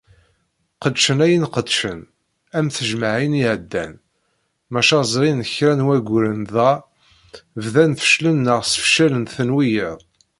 Qedcen ayen qedcen, am tejmeɛyin iɛeddan, maca zrin kra n wayyuren dɣa bdan fecclen neɣ ssefcalen-ten wiyiḍ.